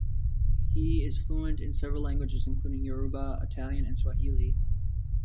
He is fluent in several languages, including Yoruba, Italian, and Swahili.